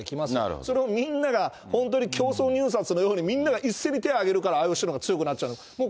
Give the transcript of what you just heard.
それをみんなが、本当に競争入札のようにみんなが一斉に手を挙げるからＩＯＣのほうが強くなっちゃうんです。